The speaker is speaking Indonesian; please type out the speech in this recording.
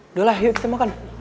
udah lah yuk kita makan